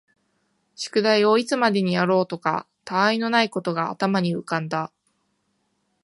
宿題をいつまでにやろうかとか、他愛のないことが頭に浮んだ